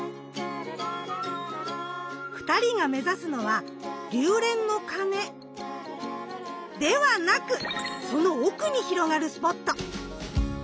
２人が目指すのは龍恋の鐘ではなくその奥に広がるスポット。